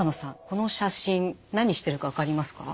この写真何してるか分かりますか？